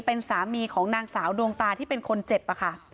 เป็นสามีของนางสาวดวงตาที่เป็นคนเจ็บอะค่ะ